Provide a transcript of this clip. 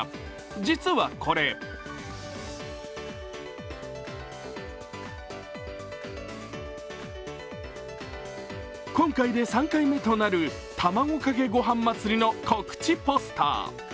実はこれ今回で３回目となるたまごかけごはん祭りの告知ポスター。